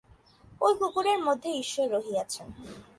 ঐ কুকুরের মধ্যেই ঈশ্বর রহিয়াছেন।